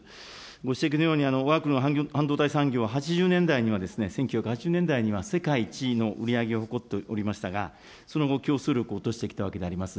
ご指摘のようにわが国の半導体産業は８０年代には、１９８０年代には世界１位の売り上げを誇っておりましたが、その後、競争力を落としてきたわけであります。